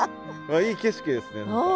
いい景色ですね。